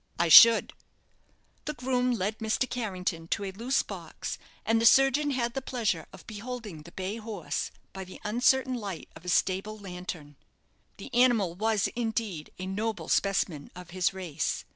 "I should." The groom led Mr. Carrington to a loose box, and the surgeon had the pleasure of beholding the bay horse by the uncertain light of a stable lantern. The animal was, indeed, a noble specimen of his race.